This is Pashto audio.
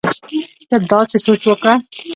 ته داسې سوچ وکړه